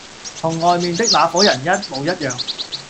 全同外面的那夥人一模一樣。